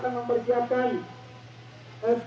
tiga orang tersebut